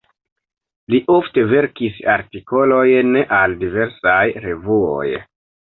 Li ofte verkis artikolojn al diversaj revuoj.